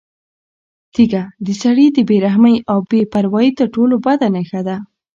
تیږه د سړي د بې رحمۍ او بې پروایۍ تر ټولو بده نښه وه.